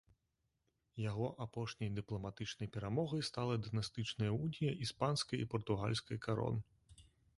Яго апошняй дыпламатычнай перамогай стала дынастычная унія іспанскай і партугальскай карон.